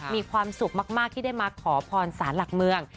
มีความสุขมากที่ได้มาขอพรสารหลักเมือง